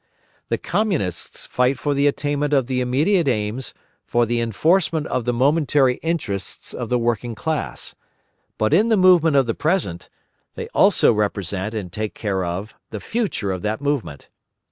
The Communists fight for the attainment of the immediate aims, for the enforcement of the momentary interests of the working class; but in the movement of the present, they also represent and take care of the future of that movement.